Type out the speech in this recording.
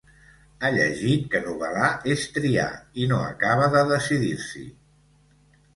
Ha llegit que novel·lar és triar i no acaba de decidir-s'hi.